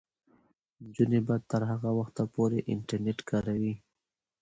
نجونې به تر هغه وخته پورې انټرنیټ کاروي.